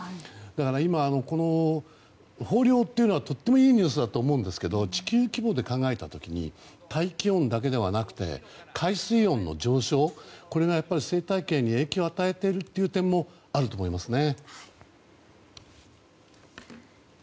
だから豊漁というのはとってもいいニュースだと思うんですが地球規模で考えた時に大気温だけではなく海水温の上昇も生態系に影響を与えているという点もあると思いますね。